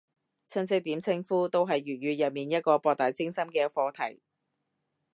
親戚點稱呼都係粵語入面一個博大精深嘅課題